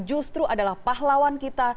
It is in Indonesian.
justru adalah pahlawan kita